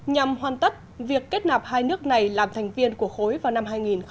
nhằm hoàn tất việc kết nạp hai nước này làm thành viên của khối vào năm hai nghìn một mươi năm